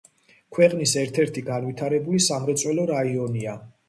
ქვეყნის ერთ-ერთი განვითარებული სამრეწველო რაიონია.